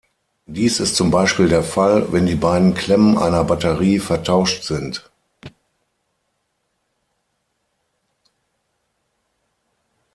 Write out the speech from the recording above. Dies ist zum Beispiel der Fall, wenn die beiden Klemmen einer Batterie vertauscht sind.